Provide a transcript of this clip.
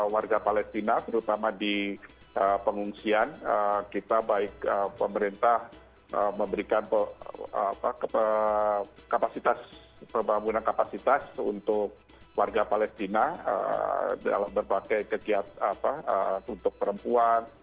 warga palestina terutama di pengungsian kita baik pemerintah memberikan kapasitas pembangunan kapasitas untuk warga palestina dalam berbagai kegiatan untuk perempuan